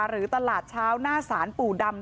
หรือตลาดชาวน่าสานปู่ดำ